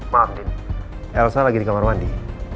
maafin elsa lagi di kamar mandi